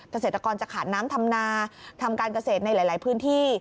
เกษตรกรจะขาดน้ำทำนาทำการเกษตรในหลายพื้นที่